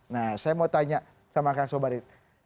nah saya mau tanya sama kang sobari